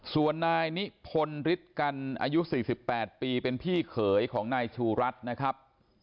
ส่วนนายนิพนธ์ฤทธิ์กันอายุ๔๘ปีเป็นพี่เขยของนายชูรัฐนะครับ